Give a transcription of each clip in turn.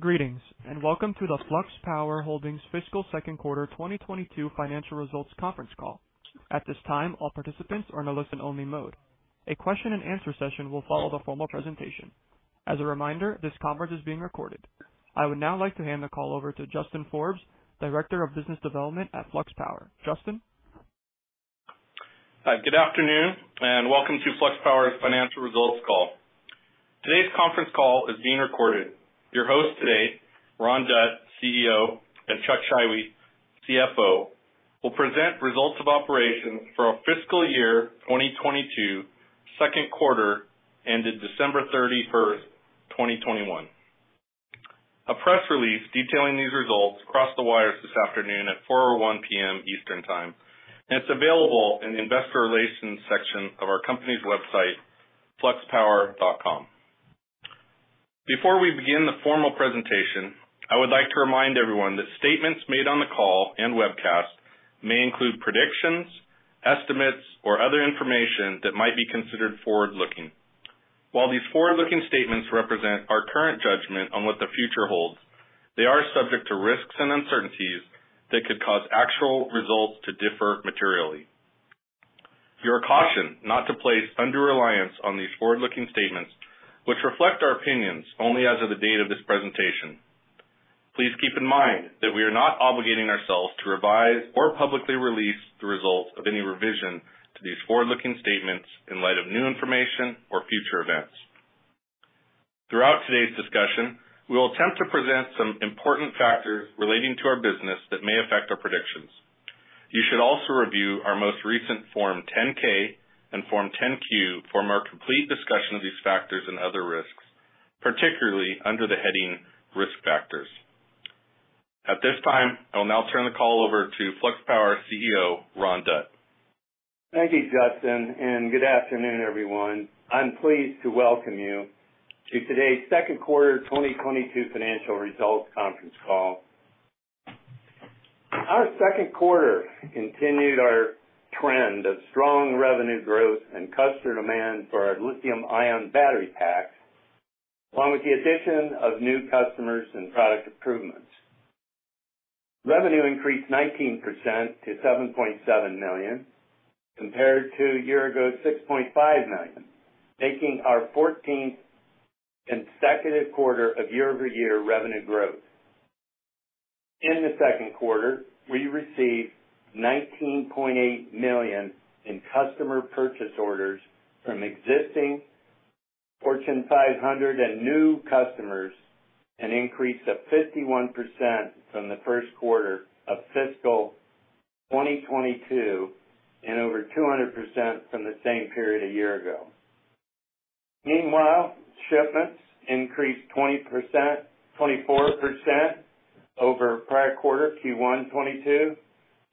Greetings, and welcome to the Flux Power Holdings Fiscal Second Quarter 2022 financial results conference call. At this time, all participants are in a listen-only mode. A question-and-answer session will follow the formal presentation. As a reminder, this conference is being recorded. I would now like to hand the call over to Justin Forbes, Director of Business Development at Flux Power. Justin? Hi, good afternoon, and welcome to Flux Power's financial results call. Today's conference call is being recorded. Your host today, Ron Dutt, CEO, and Chuck Scheiwe, CFO, will present results of operations for our fiscal year 2022 second quarter ended December 31st, 2021. A press release detailing these results crossed the wires this afternoon at 4:01 P.M. Eastern Time, and it's available in the investor relations section of our company's website, fluxpower.com. Before we begin the formal presentation, I would like to remind everyone that statements made on the call and webcast may include predictions, estimates, or other information that might be considered forward-looking. While these forward-looking statements represent our current judgment on what the future holds, they are subject to risks and uncertainties that could cause actual results to differ materially. You are cautioned not to place undue reliance on these forward-looking statements, which reflect our opinions only as of the date of this presentation. Please keep in mind that we are not obligating ourselves to revise or publicly release the results of any revision to these forward-looking statements in light of new information or future events. Throughout today's discussion, we will attempt to present some important factors relating to our business that may affect our predictions. You should also review our most recent Form 10-K and Form 10-Q for a more complete discussion of these factors and other risks, particularly under the heading Risk Factors. At this time, I will now turn the call over to Flux Power CEO, Ron Dutt. Thank you, Justin, and good afternoon, everyone. I'm pleased to welcome you to today's second quarter 2022 financial results conference call. Our second quarter continued our trend of strong revenue growth and customer demand for our lithium-ion battery packs, along with the addition of new customers and product improvements. Revenue increased 19% to $7.7 million, compared to year-ago $6.5 million, making our 14th consecutive quarter of year-over-year revenue growth. In the second quarter, we received $19.8 million in customer purchase orders from existing Fortune 500 and new customers, an increase of 51% from the first quarter of fiscal 2022 and over 200% from the same period a year ago. Meanwhile, shipments increased 24% over prior quarter Q1 2022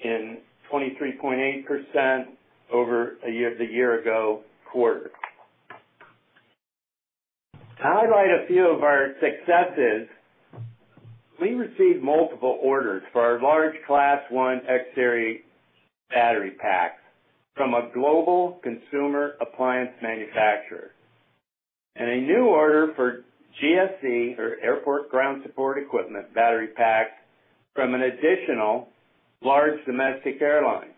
and 23.8% over a year-ago quarter. To highlight a few of our successes, we received multiple orders for our large Class One X-Series battery packs from a global consumer appliance manufacturer. A new order for GSE or Airport Ground Support Equipment battery pack from an additional large domestic airline.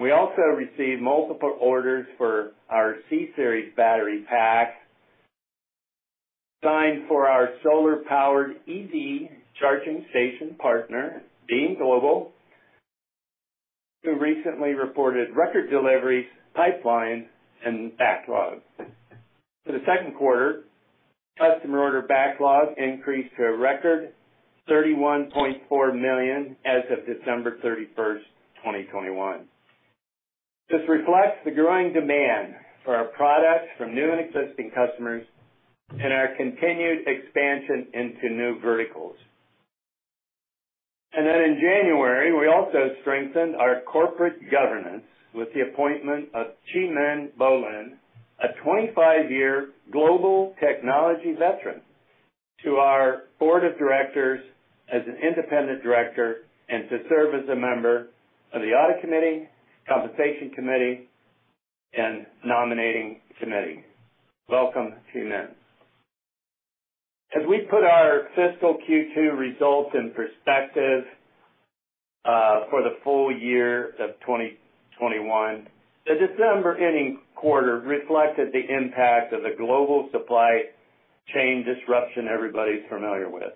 We also received multiple orders for our C-Series battery pack sized for our solar-powered EV charging station partner, Beam Global, who recently reported record deliveries, pipeline, and backlogs. For the second quarter, customer order backlogs increased to a record 31.4 million as of December 31st, 2021. This reflects the growing demand for our products from new and existing customers and our continued expansion into new verticals. In January, we also strengthened our corporate governance with the appointment of Cheemin Bo-Linn, a 25-year global technology veteran, to our Board of Directors as an independent director and to serve as a member of the audit committee, compensation committee, and nominating committee. Welcome, Cheemin. As we put our fiscal Q2 results in perspective, for the full year of 2021, the December ending quarter reflected the impact of the global supply chain disruption everybody's familiar with.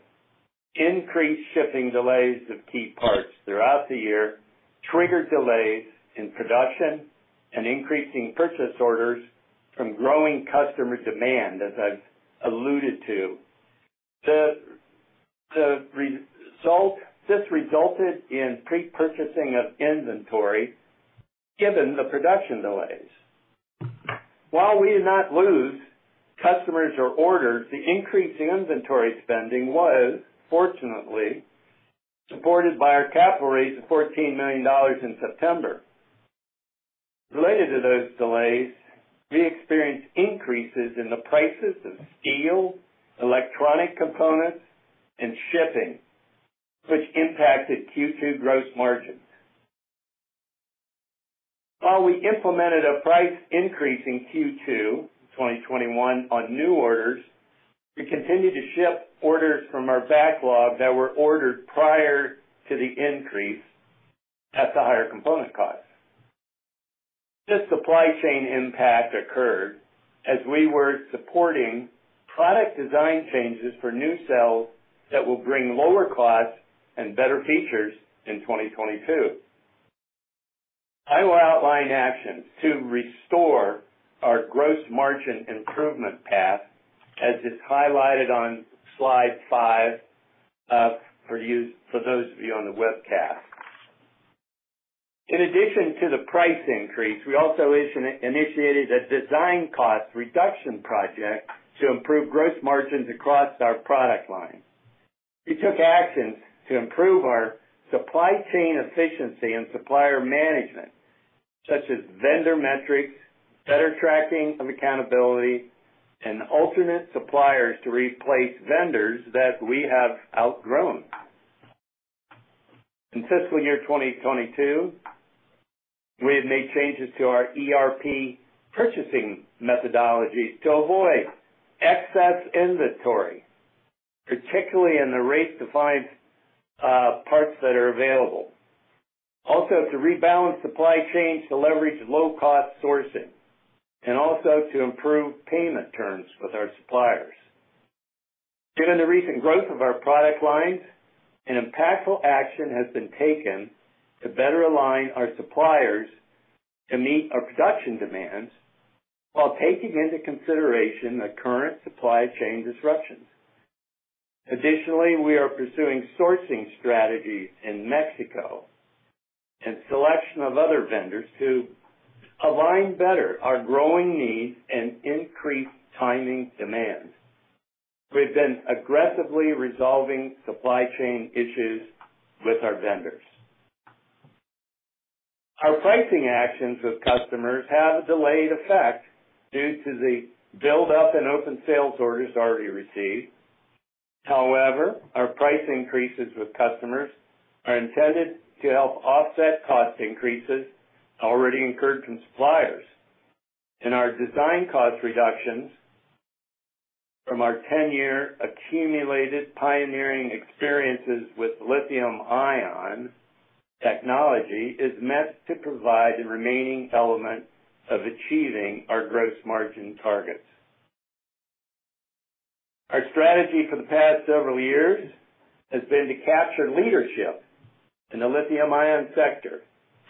Increased shipping delays of key parts throughout the year triggered delays in production and increasing purchase orders from growing customer demand, as I've alluded to. This resulted in pre-purchasing of inventory given the production delays. While we did not lose customers or orders, the increase in inventory spending was fortunately supported by our capital raise of $14 million in September. Related to those delays, we experienced increases in the prices of steel, electronic components, and shipping, which impacted Q2 gross margin. While we implemented a price increase in Q2, 2021 on new orders, we continued to ship orders from our backlog that were ordered prior to the increase at the higher component cost. This supply chain impact occurred as we were supporting product design changes for new cells that will bring lower costs and better features in 2022. I will outline actions to restore our gross margin improvement path as is highlighted on slide five for those of you on the webcast. In addition to the price increase, we also initiated a design cost reduction project to improve gross margins across our product line. We took actions to improve our supply chain efficiency and supplier management, such as vendor metrics, better tracking, and accountability, and alternate suppliers to replace vendors that we have outgrown. In fiscal year 2022, we have made changes to our ERP purchasing methodologies to avoid excess inventory, particularly hard-to-find parts that are available. Also, to rebalance supply chains to leverage low-cost sourcing, and also to improve payment terms with our suppliers. Given the recent growth of our product lines, an impactful action has been taken to better align our suppliers to meet our production demands while taking into consideration the current supply chain disruptions. Additionally, we are pursuing sourcing strategies in Mexico and selection of other vendors to align better our growing needs and increase timing demands. We've been aggressively resolving supply chain issues with our vendors. Our pricing actions with customers have a delayed effect due to the buildup in open sales orders already received. However, our price increases with customers are intended to help offset cost increases already incurred from suppliers. Our design cost reductions from our 10-year accumulated pioneering experiences with lithium-ion technology is meant to provide the remaining element of achieving our gross margin targets. Our strategy for the past several years has been to capture leadership in the lithium-ion sector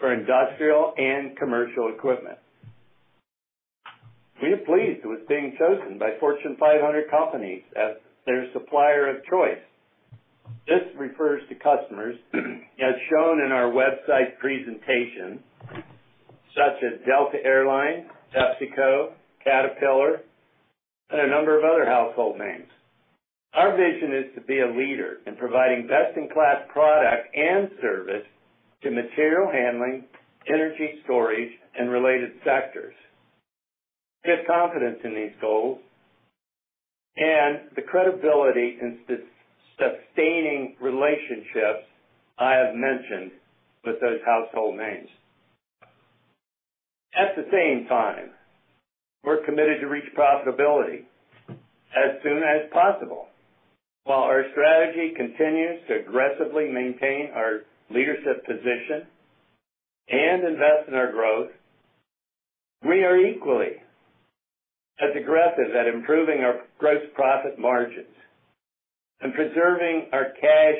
for industrial and commercial equipment. We are pleased with being chosen by Fortune 500 companies as their supplier of choice. This refers to customers, as shown in our website presentation, such as Delta Air Lines, PepsiCo, Caterpillar, and a number of other household names. Our vision is to be a leader in providing best-in-class product and service to material handling, energy storage, and related sectors. We have confidence in these goals and the credibility in sustaining relationships I have mentioned with those household names. At the same time, we're committed to reach profitability as soon as possible. While our strategy continues to aggressively maintain our leadership position and invest in our growth, we are equally as aggressive at improving our gross profit margins and preserving our cash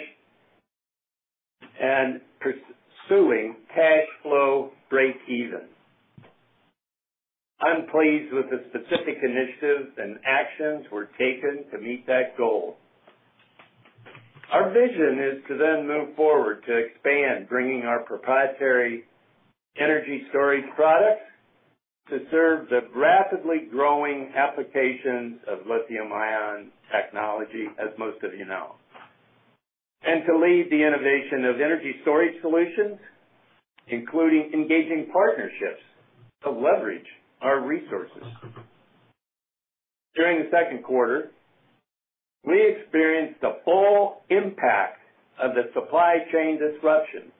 and pursuing cash flow breakeven. I'm pleased with the specific initiatives and actions we're taking to meet that goal. Our vision is to then move forward to expand, bringing our proprietary energy storage products to serve the rapidly growing applications of lithium-ion technology, as most of you know, and to lead the innovation of energy storage solutions, including engaging partnerships to leverage our resources. During the second quarter, we experienced the full impact of the supply chain disruptions,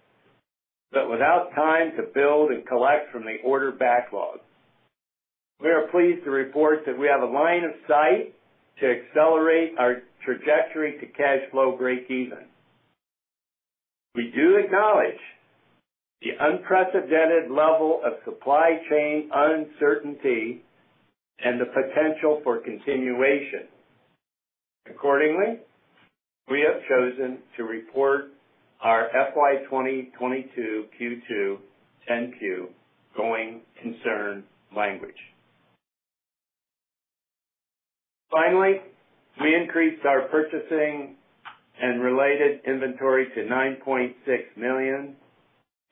but without time to build and collect from the order backlog. We are pleased to report that we have a line of sight to accelerate our trajectory to cash flow breakeven. We do acknowledge the unprecedented level of supply chain uncertainty and the potential for continuation. Accordingly, we have chosen to report our FY 2022, Q2, 10-Q going concern language. Finally, we increased our purchasing and related inventory to $9.6 million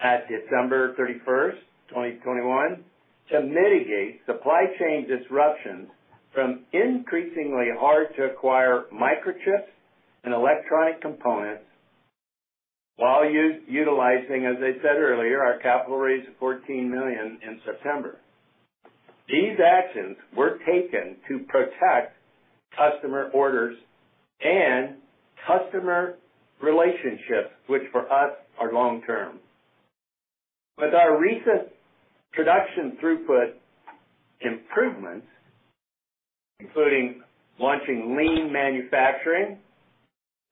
at December 31st, 2021, to mitigate supply chain disruptions from increasingly hard to acquire microchips and electronic components while utilizing, as I said earlier, our capital raise of $14 million in September. These actions were taken to protect customer orders and customer relationships, which for us are long-term. With our recent production throughput improvements, including launching lean manufacturing,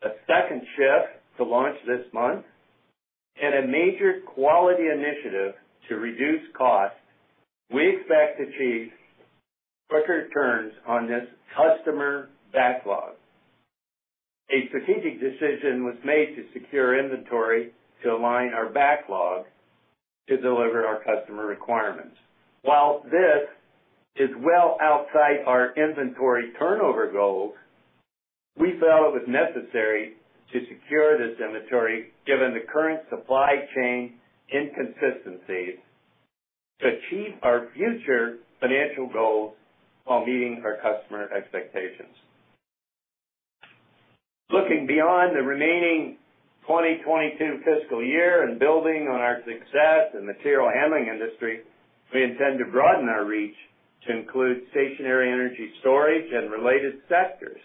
a second shift to launch this month, and a major quality initiative to reduce costs, we expect to achieve quicker turns on this customer backlog. A strategic decision was made to secure inventory to align our backlog to deliver our customer requirements. While this is well outside our inventory turnover goals, we felt it was necessary to secure this inventory, given the current supply chain inconsistencies, to achieve our future financial goals while meeting our customer expectations. Looking beyond the remaining 2022 fiscal year and building on our success in material handling industry, we intend to broaden our reach to include stationary energy storage and related sectors.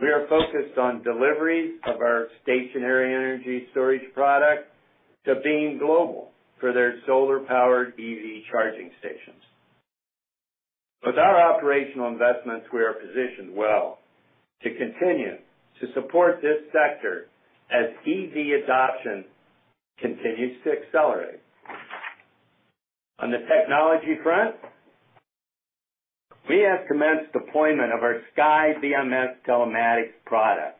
We are focused on deliveries of our stationary energy storage product to Beam Global for their solar-powered EV charging stations. With our operational investments, we are positioned well to continue to support this sector as EV adoption continues to accelerate. On the technology front, we have commenced deployment of our SkyBMS telematics product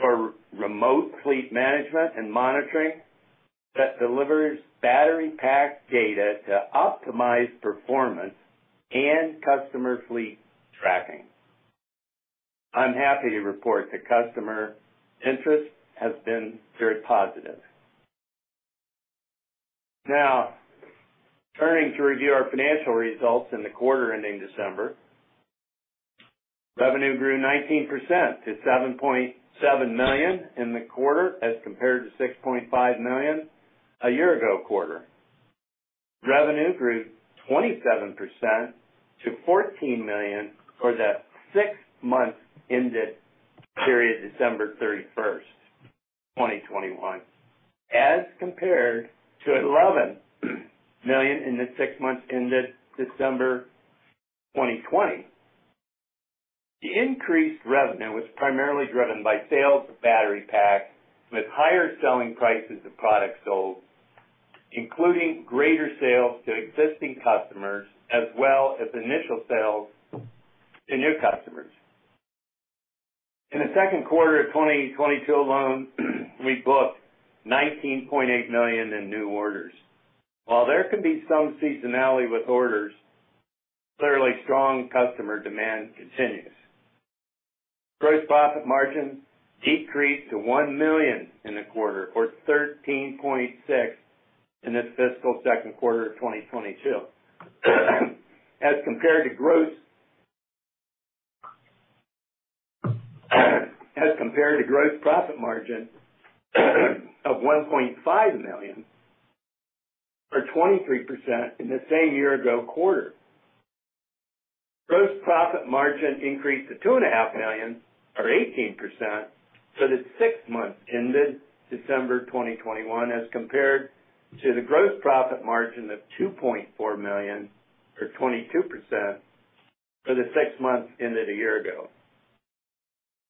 for remote fleet management and monitoring that delivers battery pack data to optimize performance and customer fleet tracking. I'm happy to report that customer interest has been very positive. Now, turning to review our financial results in the quarter ending December. Revenue grew 19% to $7.7 million in the quarter as compared to $6.5 million a year ago quarter. Revenue grew 27% to $14 million for the six months ended December 31st, 2021, as compared to $11 million in the six months ended December 2020. The increased revenue was primarily driven by sales of battery packs with higher selling prices of products sold, including greater sales to existing customers as well as initial sales to new customers. In the second quarter of 2022 alone, we booked $19.8 million in new orders. While there can be some seasonality with orders, clearly strong customer demand continues. Gross profit margin decreased to $1 million in the quarter, or 13.6% in this fiscal second quarter of 2022. As compared to gross profit margin of $1.5 million, or 23% in the same year ago quarter. Gross profit increased to $2.5 million or 18% for the six months ended December 2021, as compared to the gross profit of $2.4 million or 22% for the six months ended a year ago.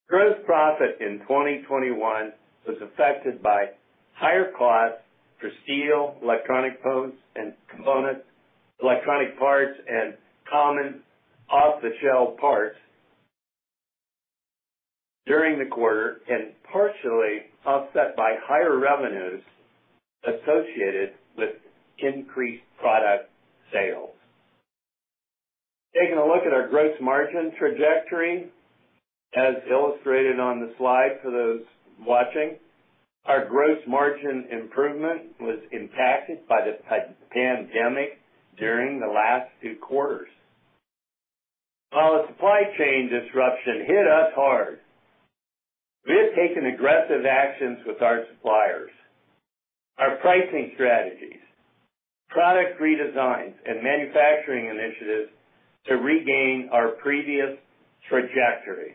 Gross profit in 2021 was affected by higher costs for steel, electronic components, electronic parts, and common off-the-shelf parts during the quarter, and partially offset by higher revenues associated with increased product sales. Taking a look at our gross margin trajectory as illustrated on the slide for those watching. Our gross margin improvement was impacted by the pandemic during the last two quarters. While the supply chain disruption hit us hard, we have taken aggressive actions with our suppliers, our pricing strategies, product redesigns and manufacturing initiatives to regain our previous trajectory.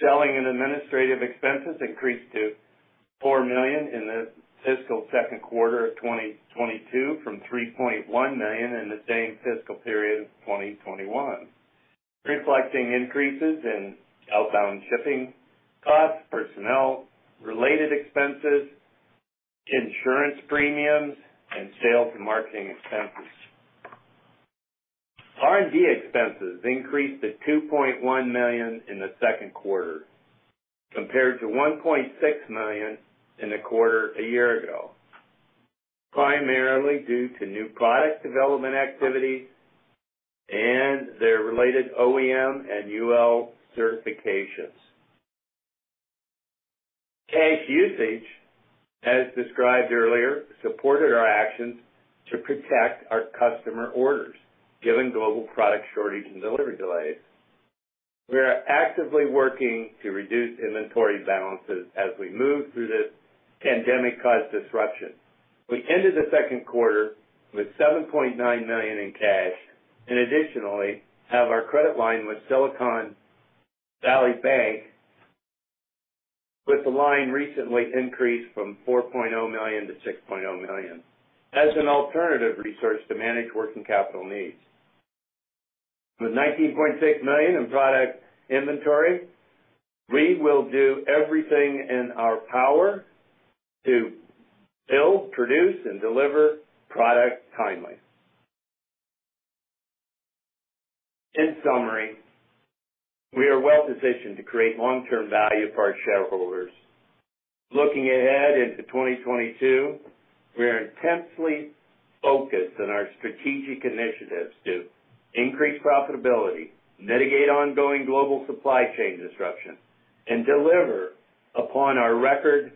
Selling and administrative expenses increased to $4 million in the fiscal second quarter of 2022 from $3.1 million in the same fiscal period of 2021, reflecting increases in outbound shipping costs, personnel-related expenses, insurance premiums, and sales and marketing expenses. R&D expenses increased to $2.1 million in the second quarter compared to $1.6 million in the quarter a year ago, primarily due to new product development activity and their related OEM and UL certifications. Cash usage, as described earlier, supported our actions to protect our customer orders, given global product shortages and delivery delays. We are actively working to reduce inventory balances as we move through this pandemic-caused disruption. We ended the second quarter with $7.9 million in cash, and additionally, have our credit line with Silicon Valley Bank, with the line recently increased from $4.0 million to $6.0 million as an alternative resource to manage working capital needs. With $19.6 million in product inventory, we will do everything in our power to build, produce, and deliver product timely. In summary, we are well-positioned to create long-term value for our shareholders. Looking ahead into 2022, we are intensely focused on our strategic initiatives to increase profitability, mitigate ongoing global supply chain disruption, and deliver upon our record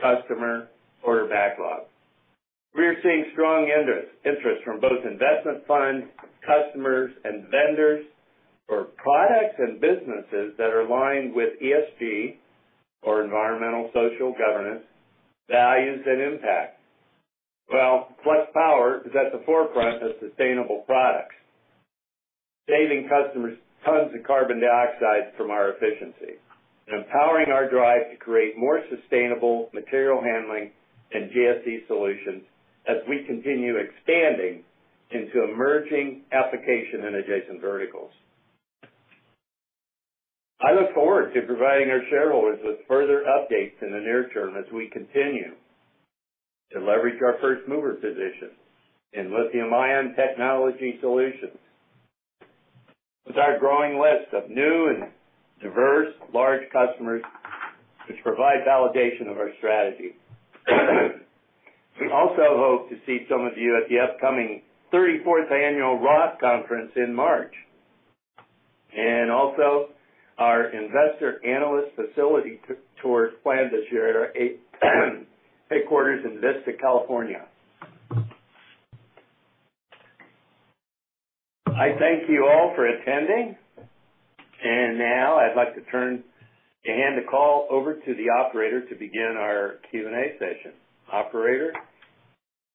customer order backlog. We are seeing strong interest from both investment funds, customers, and vendors for products and businesses that are aligned with ESG or environmental social governance, values, and impact. Well, Flux Power is at the forefront of sustainable products, saving customers tons of carbon dioxide from our efficiency and empowering our drive to create more sustainable material handling and GSE solutions as we continue expanding into emerging application and adjacent verticals. I look forward to providing our shareholders with further updates in the near term as we continue to leverage our first-mover position in lithium-ion technology solutions. With our growing list of new and diverse large customers which provide validation of our strategy, we also hope to see some of you at the upcoming 34th Annual ROTH Conference in March and also our investor analyst facility tour planned this year at our headquarters in Vista, California. I thank you all for attending. Now I'd like to turn and hand the call over to the operator to begin our Q&A session. Operator?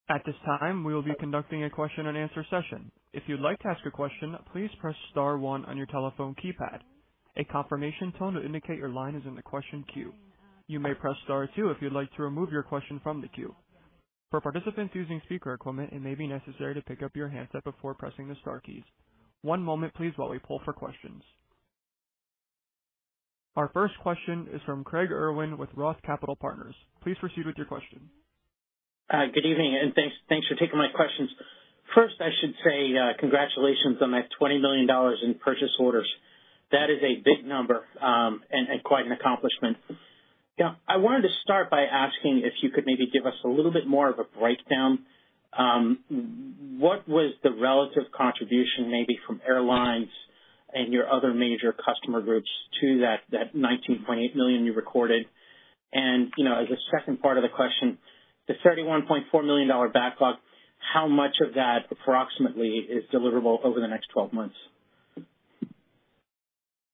At this time, we will be conducting a question-and-answer session. If you'd like to ask a question, please press star one on your telephone keypad. A confirmation tone will indicate your line is in the question queue. You may press star two if you'd like to remove your question from the queue. For participants using speaker equipment, it may be necessary to pick up your handset before pressing the star keys. One moment, please, while we poll for questions. Our first question is from Craig Irwin with Roth Capital Partners. Please proceed with your question. Good evening, and thanks for taking my questions. First, I should say congratulations on that $20 million in purchase orders. That is a big number, and quite an accomplishment. Now, I wanted to start by asking if you could maybe give us a little bit more of a breakdown. What was the relative contribution maybe from airlines and your other major customer groups to that $19.8 million you recorded? And, you know, as a second part of the question, the $31.4 million backlog, how much of that approximately is deliverable over the next 12 months?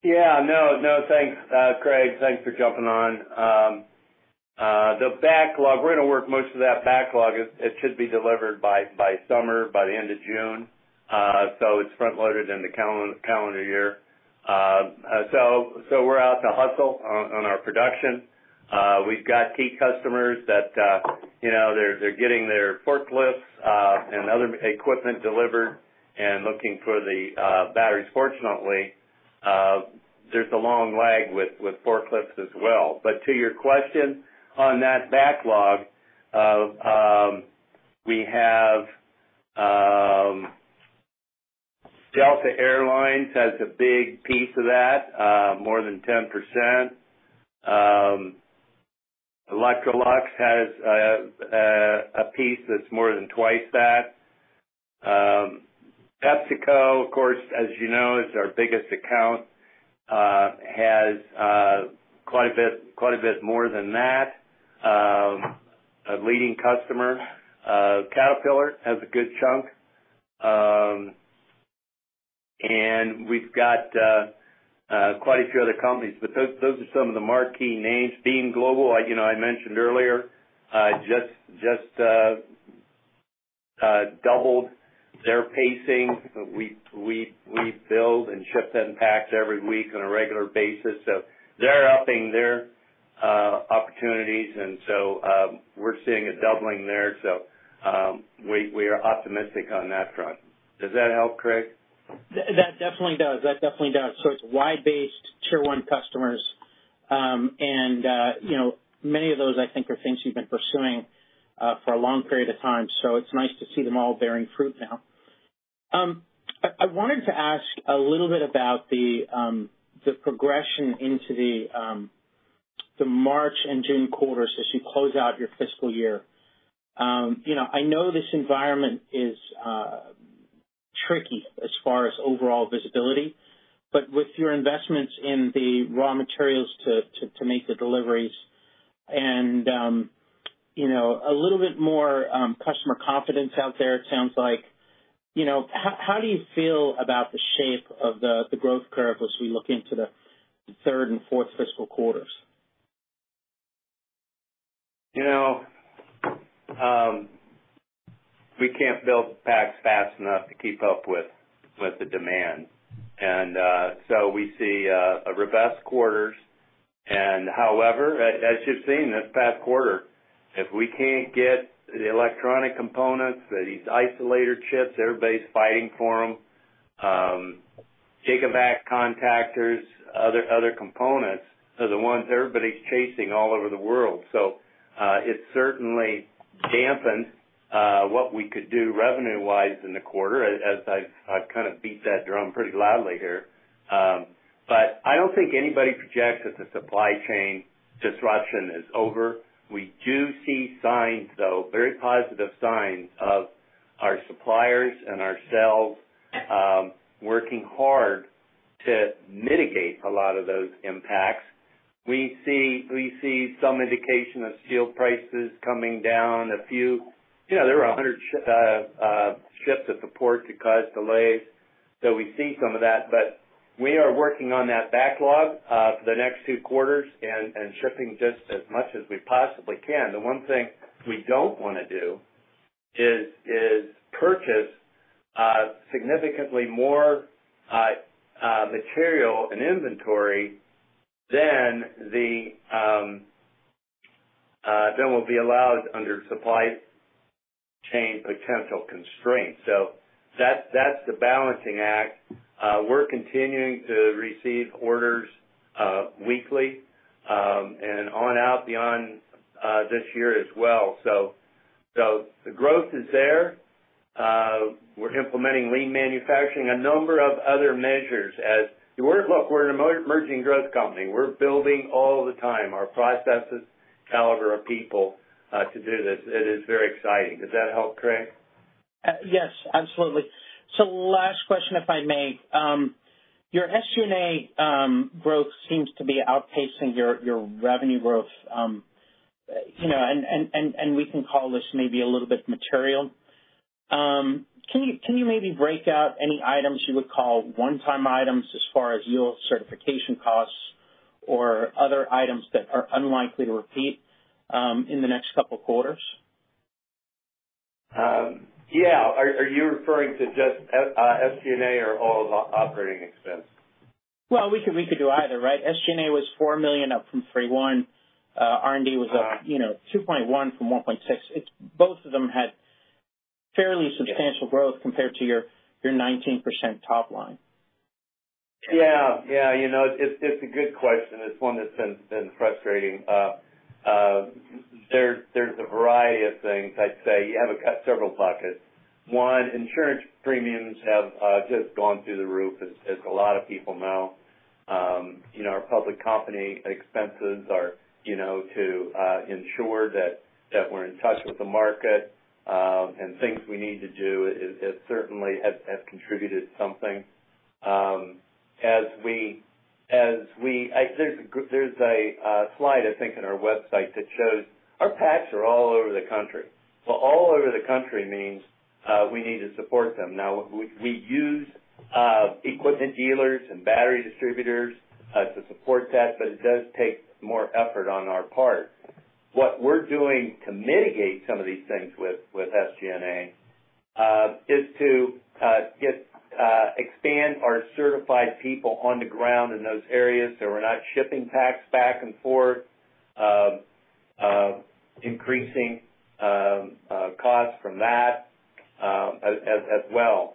Yeah. No, no. Thanks, Craig. Thanks for jumping on. The backlog, we're gonna work most of that backlog. It should be delivered by summer, by the end of June, so it's front-loaded in the calendar year. We're out to hustle on our production. We've got key customers that, you know, they're getting their forklifts and other equipment delivered and looking for the batteries. Fortunately, there's a long lag with forklifts as well. To your question on that backlog, Delta Air Lines has a big piece of that, more than 10%. Electrolux has a piece that's more than twice that. PepsiCo, of course, as you know, is our biggest account, has quite a bit more than that. A leading customer, Caterpillar, has a good chunk. We've got quite a few other companies, but those are some of the marquee names. Beam Global, like, you know, I mentioned earlier, just doubled their pacing. We build and ship them packs every week on a regular basis. They're upping their opportunities and so, we're seeing a doubling there. We are optimistic on that front. Does that help, Craig? That definitely does. It's wide-based tier one customers. You know, many of those, I think, are things you've been pursuing for a long period of time. It's nice to see them all bearing fruit now. I wanted to ask a little bit about the progression into the March and June quarters as you close out your fiscal year. You know, I know this environment is tricky as far as overall visibility, but with your investments in the raw materials to make the deliveries, you know, a little bit more customer confidence out there, it sounds like. You know, how do you feel about the shape of the growth curve as we look into the third and fourth fiscal quarters? You know, we can't build packs fast enough to keep up with the demand. So we see a robust quarters. However, as you've seen this past quarter, if we can't get the electronic components, these isolator chips, everybody's fighting for them, Gigavac contactors, other components are the ones everybody's chasing all over the world. So it certainly dampened what we could do revenue-wise in the quarter, as I've kind of beat that drum pretty loudly here. I don't think anybody projects that the supply chain disruption is over. We do see signs, though, very positive signs of our suppliers and ourselves working hard to mitigate a lot of those impacts. We see some indication of steel prices coming down, a few. You know, there were 100 ships at the port that caused delays. We see some of that, but we are working on that backlog for the next two quarters and shipping just as much as we possibly can. The one thing we don't wanna do is purchase significantly more material and inventory than we'll be allowed under supply chain potential constraints. That's the balancing act. We're continuing to receive orders weekly and on out beyond this year as well. The growth is there. We're implementing lean manufacturing, a number of other measures. Look, we're an emerging growth company. We're building all the time, our processes, caliber of people to do this. It is very exciting. Does that help, Craig? Yes, absolutely. Last question, if I may. Your SG&A growth seems to be outpacing your revenue growth, you know, and we can call this maybe a little bit material. Can you maybe break out any items you would call one-time items as far as yield certification costs or other items that are unlikely to repeat in the next couple quarters? Yeah. Are you referring to just SG&A or all of operating expense? Well, we could do either, right? SG&A was $4 million, up from $3.1 million. R&D was up- Uh. you know, $2.1 million from $1.6 million. It's both of them had fairly substantial growth compared to your 19% top line. Yeah. Yeah. You know, it's a good question. It's one that's been frustrating. There's a variety of things, I'd say. You have several buckets. One, insurance premiums have just gone through the roof, as a lot of people know. You know, our public company expenses are you know to ensure that we're in touch with the market and things we need to do. It certainly has contributed something. There's a slide, I think, on our website that shows our packs are all over the country. Well, all over the country means we need to support them. Now, we use equipment dealers and battery distributors to support that, but it does take more effort on our part. What we're doing to mitigate some of these things with SG&A is to expand our certified people on the ground in those areas, so we're not shipping packs back and forth, increasing costs from that, as well.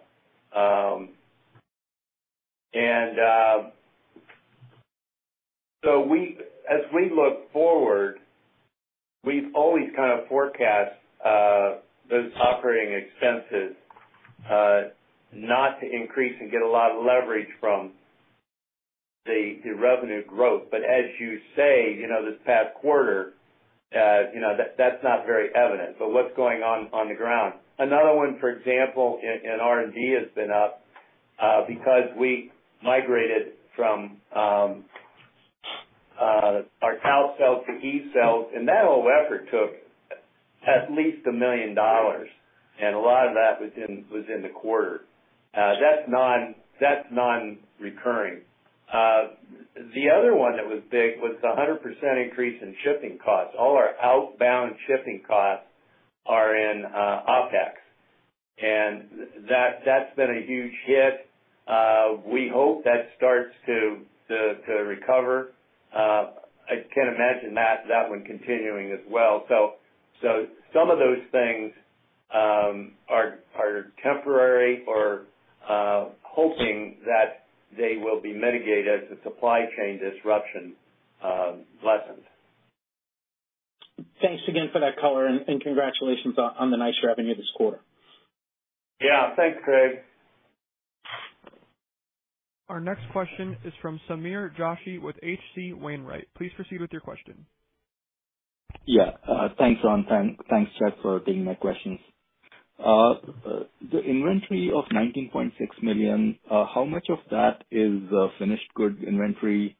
As we look forward, we've always kind of forecast those operating expenses not to increase and get a lot of leverage from the revenue growth. As you say, you know, this past quarter, you know, that's not very evident. What's going on on the ground? Another one, for example, in R&D has been up because we migrated from our CALB cells to EVE cells, and that whole effort took at least $1 million, and a lot of that was in the quarter. That's non-recurring. The other one that was big was the 100% increase in shipping costs. All our outbound shipping costs are in OpEx. That's been a huge hit. We hope that starts to recover. I can't imagine that one continuing as well. Some of those things are temporary or hoping that they will be mitigated as the supply chain disruption lessens. Thanks again for that color and congratulations on the nice revenue this quarter. Yeah. Thanks, Craig. Our next question is from Sameer Joshi with H.C. Wainwright. Please proceed with your question. Yeah. Thanks, Ron. Thanks, Chuck, for taking my questions. The inventory of $19.6 million, how much of that is finished goods inventory?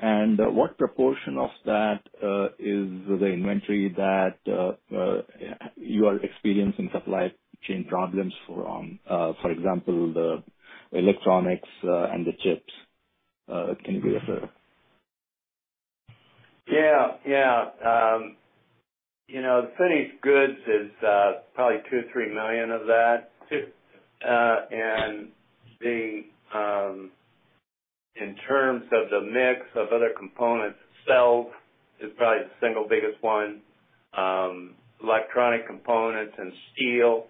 What proportion of that is the inventory that you are experiencing supply chain problems for example, the electronics and the chips, can you refer? Yeah, you know, the finished goods is probably $2 million-$3 million of that. Two. In terms of the mix of other components, cells is probably the single biggest one. Electronic components and steel,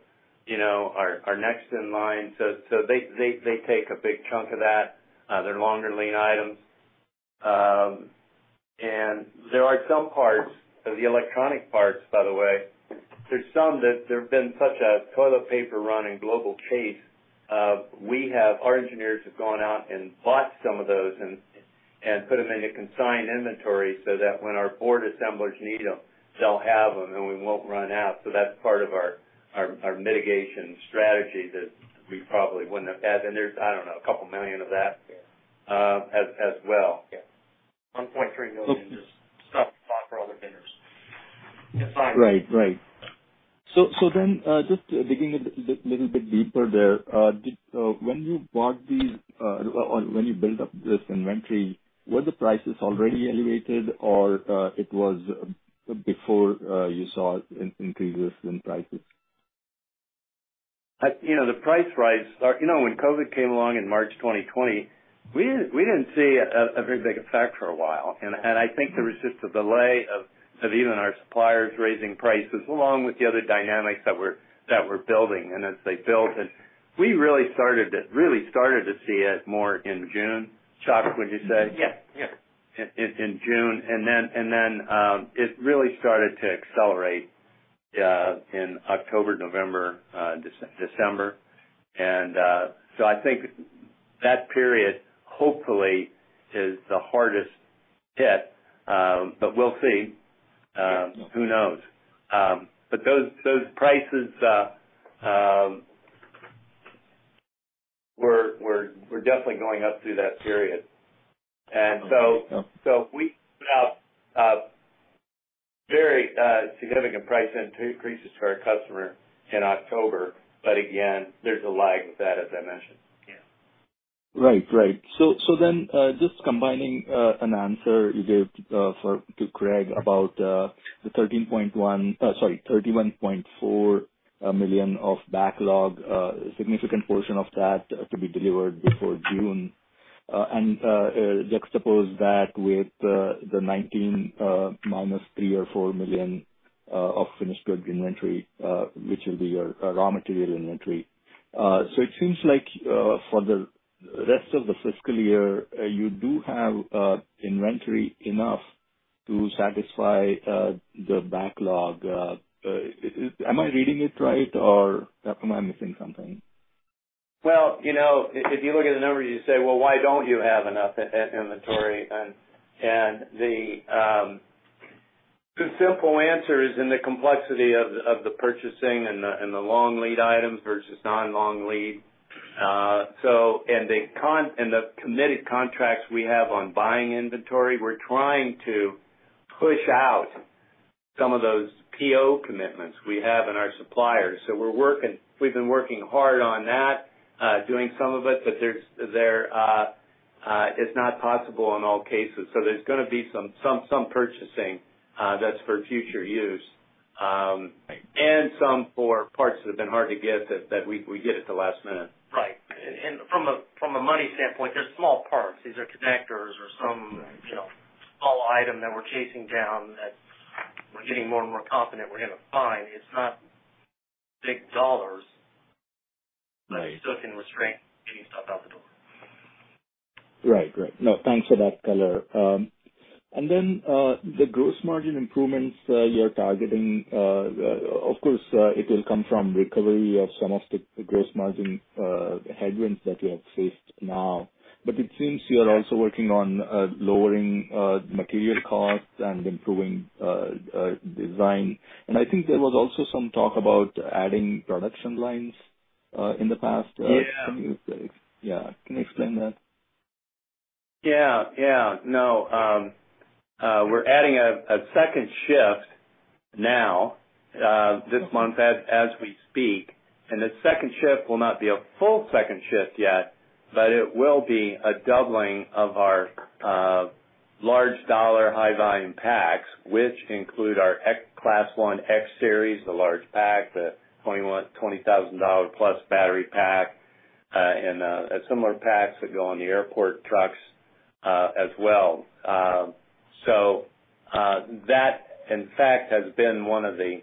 you know, are next in line. They take a big chunk of that. They're longer lead items. There are some parts of the electronic parts, by the way, there's some that there have been such a toilet paper run and global chase, our engineers have gone out and bought some of those and put them in a consigned inventory so that when our board assemblers need them, they'll have them and we won't run out. That's part of our mitigation strategy that we probably wouldn't have had. There's, I don't know, $2 million of that as well. Yeah. $1.3 million is stuff bought for other vendors. Just digging a little bit deeper there, when you bought these or when you built up this inventory, were the prices already elevated or it was before you saw increases in prices? You know, when COVID came along in March 2020, we didn't see a very big effect for a while. I think there was just a delay of even our suppliers raising prices along with the other dynamics that were building. As they built and we really started to see it more in June. Chuck, would you say? Yes. Yes. In June it really started to accelerate in October, November, December. I think that period hopefully is the hardest hit, but we'll see. Who knows? Those prices were definitely going up through that period. Okay. We put out very significant price increases for our customer in October. Again, there's a lag with that, as I mentioned. Just combining an answer you gave to Craig about the $31.4 million of backlog, significant portion of that to be delivered before June, and juxtapose that with the $19 million minus $3 million or $4 million of finished goods inventory, which will be your raw material inventory. It seems like for the rest of the fiscal year, you do have inventory enough to satisfy the backlog. Am I reading it right or am I missing something? Well, you know, if you look at the numbers, you say, "Well, why don't you have enough inventory?" The simple answer is in the complexity of the purchasing and the long lead items versus non-long lead. The committed contracts we have on buying inventory, we're trying to push out some of those PO commitments we have in our suppliers. We've been working hard on that, doing some of it, but it's not possible in all cases. There's gonna be some purchasing that's for future use. Right. Some for parts that have been hard to get, that we get at the last minute. Right. From a money standpoint, they're small parts. These are connectors or some- Right. You know, small item that we're chasing down that we're getting more and more confident we're gonna find. It's not big dollars. Right. It's still a constraint getting stuff out the door. Right. Right. No, thanks for that color. The gross margin improvements you're targeting, of course, it will come from recovery of some of the gross margin headwinds that you have faced now. It seems you are also working on lowering material costs and improving design. I think there was also some talk about adding production lines in the past. Yeah. Yeah. Can you explain that? Yeah. Yeah. No. We're adding a second shift now this month as we speak. The second shift will not be a full second shift yet, but it will be a doubling of our large dollar high volume packs, which include our Class One X-Series, the large pack, the $20,000+ battery pack, and similar packs that go on the airport trucks as well. That in fact has been one of the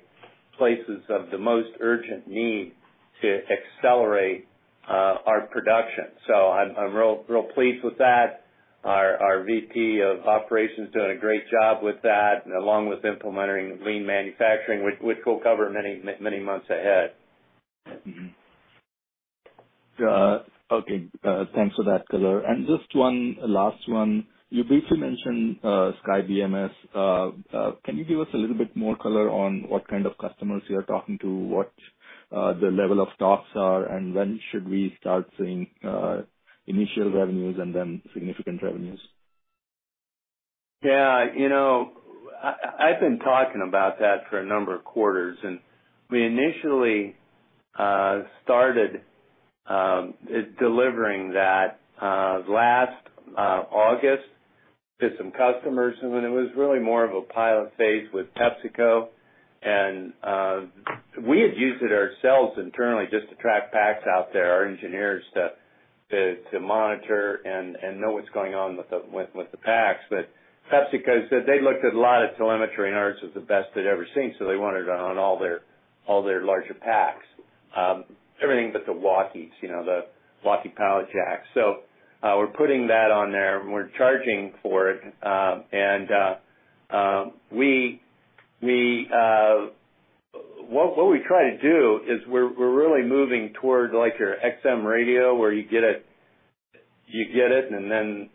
places of the most urgent need to accelerate our production. I'm real pleased with that. Our VP of Operations doing a great job with that along with implementing lean manufacturing, which we'll cover many months ahead. Okay. Thanks for that color. Just one last one. You briefly mentioned SkyBMS. Can you give us a little bit more color on what kind of customers you are talking to, what the level of talks are, and when should we start seeing initial revenues and then significant revenues? Yeah, you know, I've been talking about that for a number of quarters, and we initially started delivering that last August to some customers, and it was really more of a pilot phase with PepsiCo. We had used it ourselves internally just to track packs out there, our engineers to monitor and know what's going on with the packs. PepsiCo said they looked at a lot of telemetry and ours was the best they'd ever seen, so they wanted it on all their larger packs. Everything but the walkies, you know, the walkie pallet jacks. We're putting that on there, and we're charging for it. We... What we try to do is we're really moving towards like your SiriusXM, where you get it, and then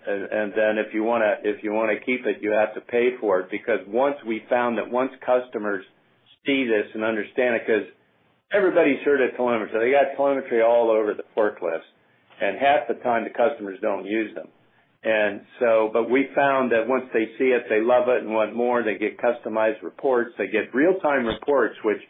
if you wanna keep it, you have to pay for it. Because once we found that customers see this and understand it, 'cause everybody's heard of telemetry. They got telemetry all over the forklift, and half the time the customers don't use them. We found that once they see it, they love it and want more. They get customized reports. They get real-time reports, which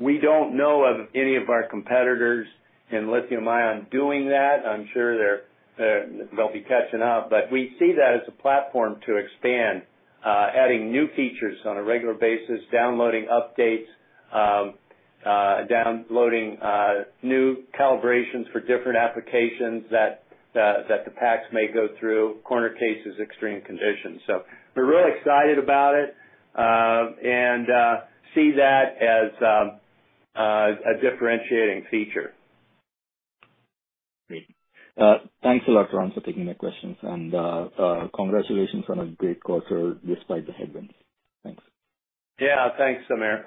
we don't know of any of our competitors in lithium-ion doing that. I'm sure they're, they'll be catching up. We see that as a platform to expand, adding new features on a regular basis, downloading updates, new calibrations for different applications that the packs may go through, corner cases, extreme conditions. We're really excited about it, and see that as a differentiating feature. Great. Thanks a lot, Ron, for taking the questions. Congratulations on a great quarter despite the headwinds. Thanks. Yeah, thanks, Sameer.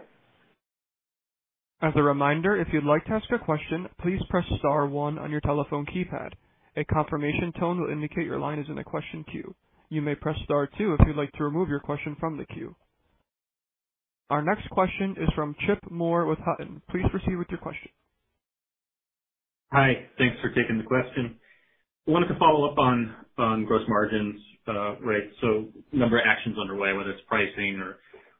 As a reminder, if you'd like to ask a question, please press star one on your telephone keypad. A confirmation tone will indicate your line is in the question queue. You may press star two if you'd like to remove your question from the queue. Our next question is from Chip Moore with Hutton. Please proceed with your question. Hi. Thanks for taking the question. Wanted to follow up on gross margins, right? Number of actions underway, whether it's pricing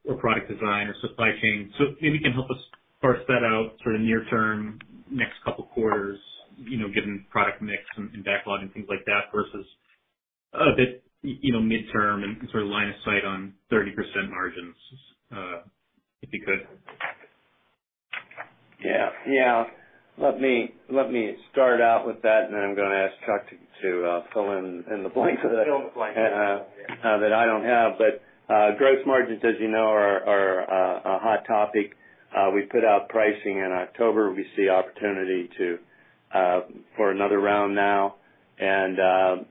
or product design or supply chain. Maybe you can help us parse that out sort of near term, next couple quarters, you know, given product mix and backlog and things like that, versus a bit, you know, midterm and sort of line of sight on 30% margins, if you could. Yeah. Let me start out with that, and then I'm gonna ask Chuck to fill in the blanks. Fill in the blanks. That I don't have. Gross margins, as you know, are a hot topic. We put out pricing in October. We see opportunity for another round now. There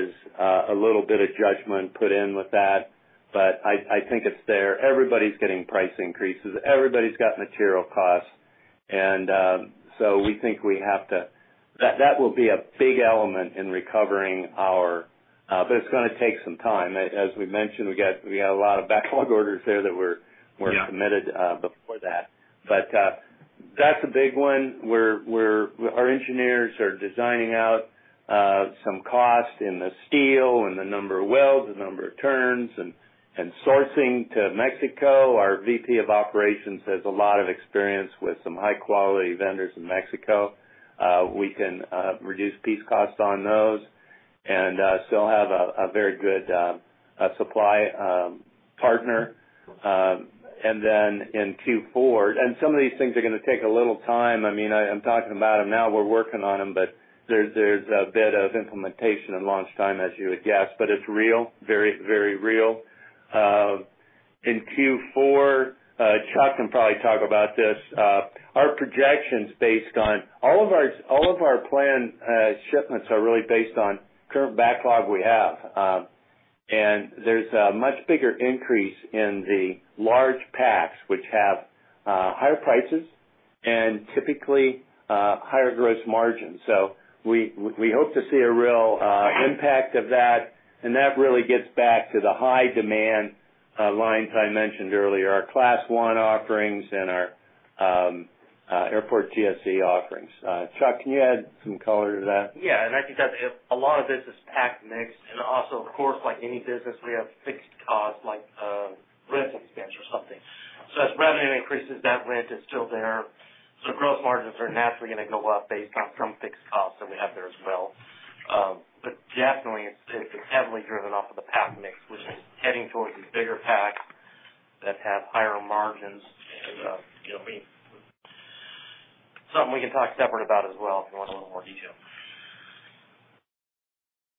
is a little bit of judgment put in with that, but I think it's there. Everybody's getting price increases. Everybody's got material costs. We think we have to. That will be a big element in recovering our, but it's gonna take some time. As we mentioned, we got a lot of backlog orders there that were. Yeah. Submitted before that. That's a big one. We're our engineers are designing out some cost in the steel and the number of welds, the number of turns, and sourcing to Mexico. Our VP of Operations has a lot of experience with some high quality vendors in Mexico. We can reduce piece costs on those and still have a very good supply partner. In Q4, some of these things are gonna take a little time. I mean, I'm talking about them now. We're working on them, but there's a bit of implementation and launch time, as you would guess, but it's real, very, very real. In Q4, Chuck can probably talk about this. Our projections based on all of our planned shipments are really based on current backlog we have. There's a much bigger increase in the large packs, which have higher prices and typically higher gross margins. We hope to see a real impact of that, and that really gets back to the high demand lines I mentioned earlier, our Class One offerings and our airport GSE offerings. Chuck, can you add some color to that? Yeah. I think that a lot of this is pack mix. Also, of course, like any business, we have fixed costs like, rent expense or something. As revenue increases, that rent is still there. Gross margins are naturally gonna go up based on some fixed costs that we have there as well. Definitely it's heavily driven off of the pack mix, which is heading towards these bigger packs that have higher margins and, you know, I mean, something we can talk separate about as well if you want a little more detail.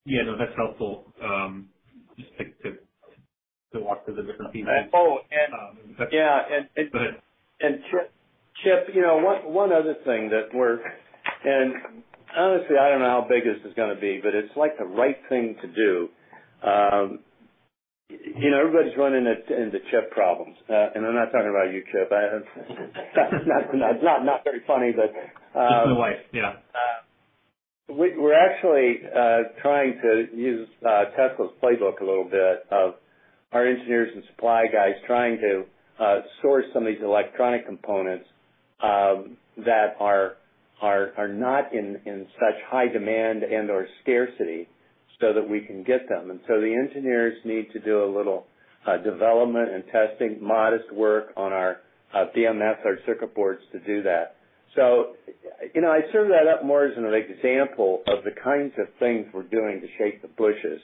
Yeah, no, that's helpful. Just to walk through the different pieces. Oh, and- Um. Yeah. Go ahead. Chip, you know, one other thing. Honestly, I don't know how big this is gonna be, but it's like the right thing to do. You know, everybody's running into chip problems. I'm not talking about you, Chip. That's not very funny, but- That's my wife. Yeah. We're actually trying to use Tesla's playbook a little bit. Our engineers and supply guys are trying to source some of these electronic components that are not in such high demand and/or scarcity so that we can get them. The engineers need to do a little development and testing, modest work on our BMS, our circuit boards to do that. You know, I serve that up more as an example of the kinds of things we're doing to shape the business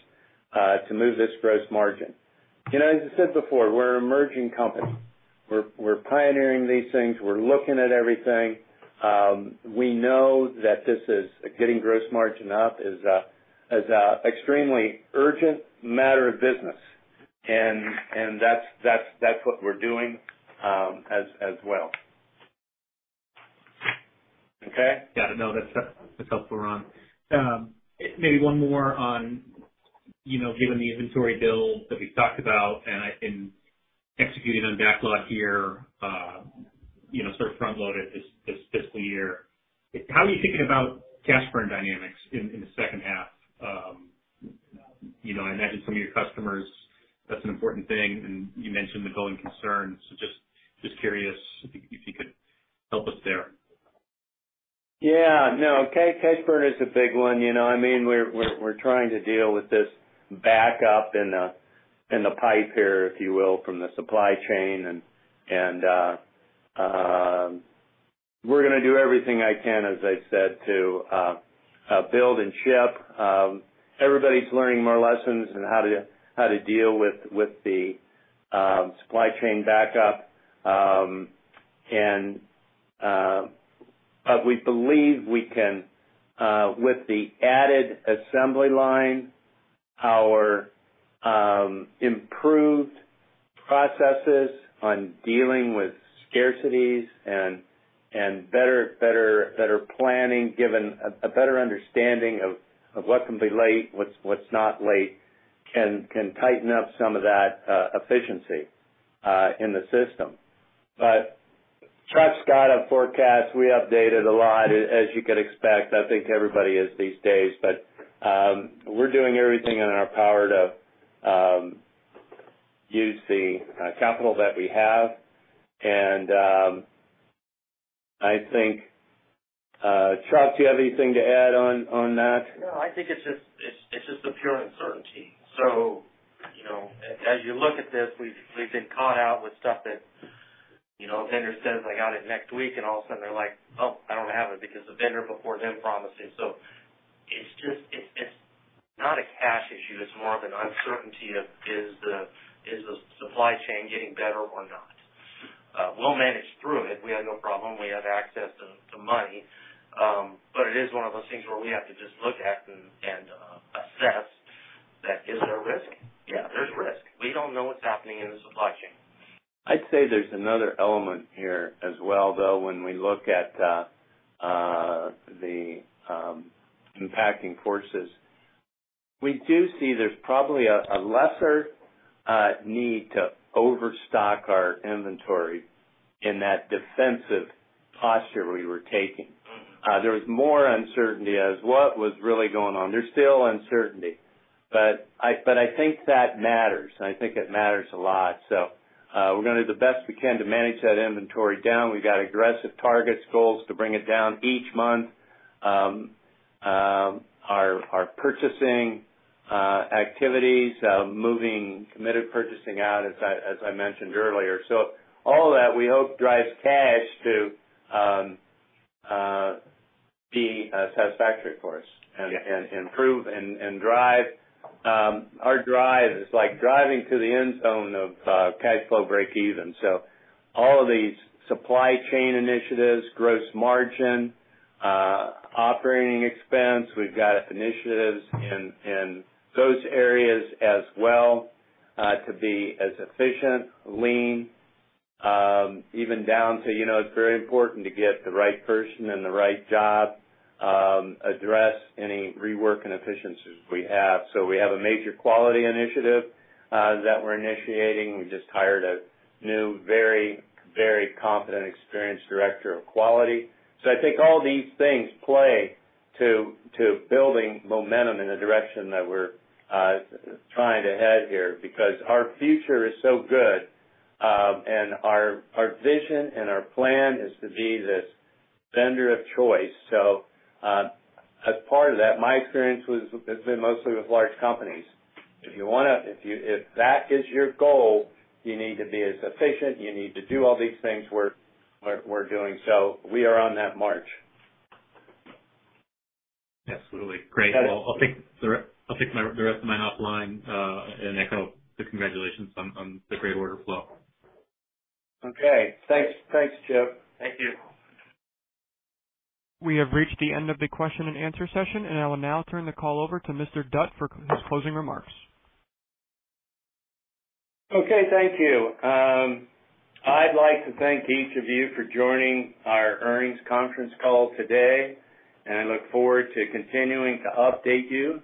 to move this gross margin. You know, as I said before, we're an emerging company. We're pioneering these things. We're looking at everything. We know that this is getting gross margin up is an extremely urgent matter of business. That's what we're doing as well. Okay? Yeah. No, that's helpful, Ron. Maybe one more on, you know, given the inventory build that we've talked about and I think executing on backlog here, you know, sort of front load it this fiscal year. How are you thinking about cash burn dynamics in the second half? You know, I imagine some of your customers, that's an important thing, and you mentioned the building concerns. Just curious if you could help us there. Yeah. No. Cash burn is a big one, you know. I mean, we're trying to deal with this backup in the pipe here, if you will, from the supply chain. We're gonna do everything I can, as I said, to build and ship. Everybody's learning more lessons on how to deal with the supply chain backup. We believe we can with the added assembly line, our improved processes on dealing with scarcities and better planning given a better understanding of what can be late, what's not late, can tighten up some of that efficiency in the system. Chuck's got a forecast. We update it a lot, as you could expect. I think everybody is these days. We're doing everything in our power to use the capital that we have. I think, Chuck, do you have anything to add on that? No, I think it's just the pure uncertainty. You know, as you look at this, we've been caught out with stuff that, you know, a vendor says they got it next week, and all of a sudden they're like, "Oh, I don't have it," because the vendor before them promised it. It's just not a cash issue, it's more of an uncertainty of is the supply chain getting better or not? We'll manage through it. We have no problem. We have access to money. But it is one of those things where we have to just look at and assess. Is there risk? Yeah, there's risk. We don't know what's happening in the supply chain. I'd say there's another element here as well, though, when we look at the impacting forces. We do see there's probably a lesser need to overstock our inventory in that defensive posture we were taking. Mm-hmm. There was more uncertainty about what was really going on. There's still uncertainty, but I think that matters, and I think it matters a lot. We're gonna do the best we can to manage that inventory down. We've got aggressive targets, goals to bring it down each month. Our purchasing activities, moving committed purchasing out, as I mentioned earlier. All of that, we hope, drives cash to be satisfactory for us. Yeah. Improve and drive. Our drive is like driving to the end zone of cash flow breakeven. All of these supply chain initiatives, gross margin, operating expense, we've got initiatives in those areas as well, to be as efficient, lean, even down to, you know, it's very important to get the right person in the right job, address any rework inefficiencies we have. We have a major quality initiative that we're initiating. We just hired a new very competent, experienced director of quality. I think all these things play to building momentum in the direction that we're trying to head here because our future is so good. Our vision and our plan is to be this vendor of choice. As part of that, my experience has been mostly with large companies. If that is your goal, you need to be as efficient, you need to do all these things we're doing. We are on that march. Absolutely. Great. Got it. Well, I'll take the rest of mine offline. Echo the congratulations on the great order flow. Okay. Thanks. Thanks, Chip. Thank you. We have reached the end of the question and answer session, and I will now turn the call over to Mr. Dutt for his closing remarks. Okay. Thank you. I'd like to thank each of you for joining our earnings conference call today, and I look forward to continuing to update you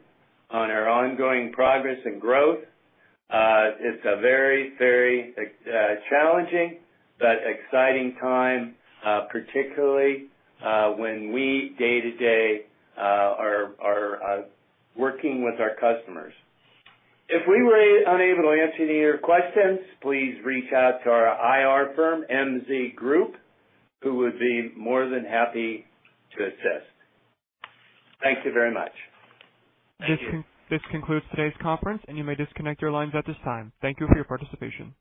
on our ongoing progress and growth. It's a very challenging but exciting time, particularly when we day-to-day are working with our customers. If we were unable to answer any of your questions, please reach out to our investor relations firm, MZ Group, who would be more than happy to assist. Thank you very much. Thank you. This concludes today's conference, and you may disconnect your lines at this time. Thank you for your participation.